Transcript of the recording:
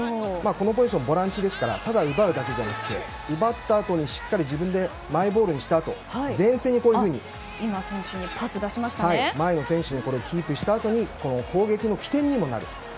ポジション、ボランチですからただ奪うだけじゃなくて奪ったあとにしっかりマイボールにしたあと前線に、前の選手にキープしたあとに攻撃の起点にもなれる。